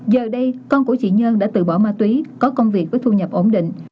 giờ đây con của chị nhân đã từ bỏ ma túy có công việc với thu nhập ổn định